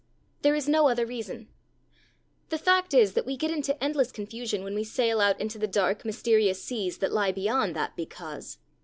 _' There is no other reason. The fact is that we get into endless confusion when we sail out into the dark, mysterious seas that lie beyond that 'because.'